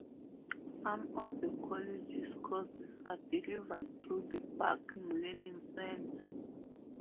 Some of the college's courses are delivered through the Barking Learning Centre.